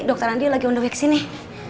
dokter andi lagi unduh vaksin nih